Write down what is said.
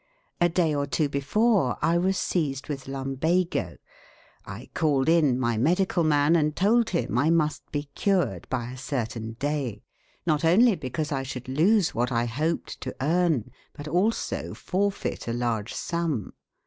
A day or two before I was seized with lumbago. I called in my medical man, and told him I must be cured by a certain day; not only because I should lose what I hoped to earn, but also forfeit a large sum.